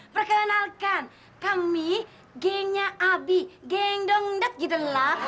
perkenalkan kami gengnya abi geng dongdut gidelap